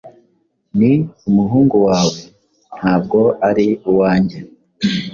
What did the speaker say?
ni umuhungu wawe ntabwo ari uwanjye